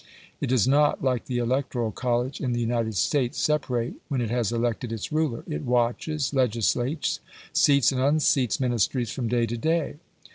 It does not, like the Electoral College in the United States, separate when it has elected its ruler; it watches, legislates, seats and unseats ministries, from day to day.